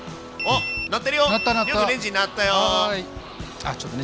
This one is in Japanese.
あっちょっとね